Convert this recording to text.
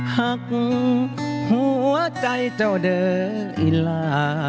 หักหัวใจเจ้าเด้ออิลา